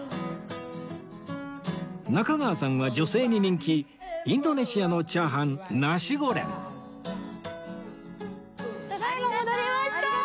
中川さんは女性に人気インドネシアのチャーハンナシゴレンただ今戻りました。